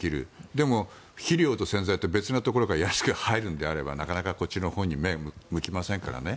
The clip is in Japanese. でも、肥料と洗剤って別なところから安く入るのであればなかなかこっちのほうに目が向きませんからね。